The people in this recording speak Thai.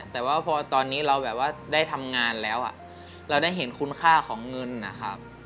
แต่ว่าพอตอนนี้เราแบบว่าได้ทำงานแล้วเราได้เห็นคุณค่าของเงินนะครับ